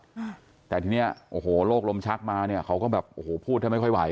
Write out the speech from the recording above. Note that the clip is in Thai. อ่าแต่ทีเนี้ยโอ้โหโรคลมชักมาเนี้ยเขาก็แบบโอ้โหพูดแทบไม่ค่อยไหว